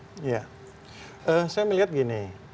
saya melihat gini